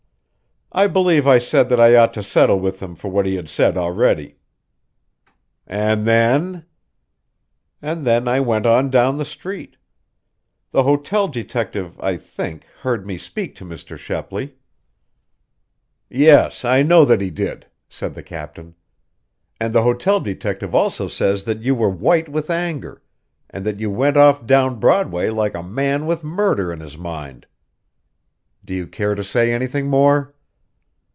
"I believe I said that I ought to settle with him for what he had said already." "And then " "And then I went on down the street. The hotel detective, I think, heard me speak to Mr. Shepley." "Yes, I know that he did," said the captain. "And the hotel detective also says that you were white with anger, and that you went off down Broadway like a man with murder in his mind. Do you care to say anything more?"